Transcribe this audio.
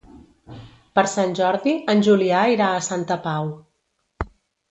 Per Sant Jordi en Julià irà a Santa Pau.